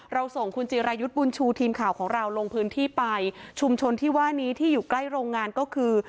ส่งคุณจิรายุทธ์บุญชูทีมข่าวของเราลงพื้นที่ไปชุมชนที่ว่านี้ที่อยู่ใกล้โรงงานก็คือ